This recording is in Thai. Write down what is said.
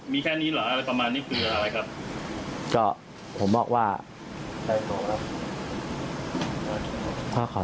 มีแค่นี้หรือหรือหรั่งมานี้มันเป็นอะไรครับ